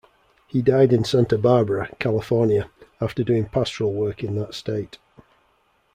He died in Santa Barbara, California after doing pastoral work in that state.